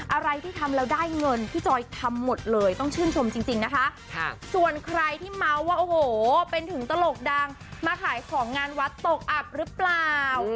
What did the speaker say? อะไรที่ทำแล้วได้เงินพี่จอยทำหมดเลยต้องชื่นชมจริงนะคะส่วนใครที่เมาส์ว่าโอ้โหเป็นถึงตลกดังมาขายของงานวัดตกอับหรือเปล่า